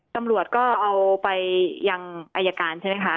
ตำรวจก็เอาไปยังอายการใช่ไหมคะ